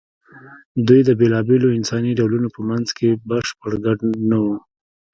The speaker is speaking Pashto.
دوی د بېلابېلو انساني ډولونو په منځ کې بشپړ ګډ نه وو.